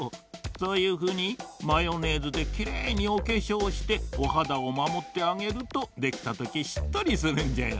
そういうふうにマヨネーズできれいにおけしょうしておはだをまもってあげるとできたときしっとりするんじゃよ。